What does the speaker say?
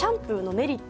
メリット？